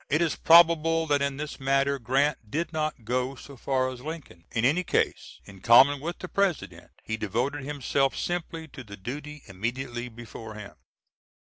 It is probable that in this matter Grant did not go so far as Lincoln. In any case, in common with the President, he devoted himself simply to the duty immediately before him.